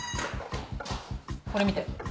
これ見て。